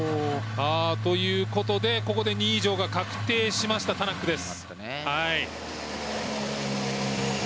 ということでここで２位以上が確定しましたタナックです。